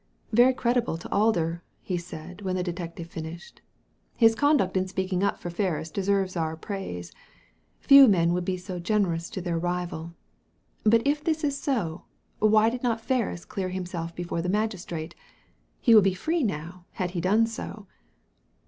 "Very creditable to Alder," he said, when the detective finished. "His conduct in speaking up for Ferris deserves our praise. Few men would be so generous to their rival. But if this is so, why did not Ferris clear himself before the magistrate ? He would be free now, had he done so."